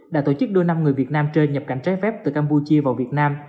đã tổ chức đưa năm người việt nam chơi nhập cảnh trái phép từ campuchia vào việt nam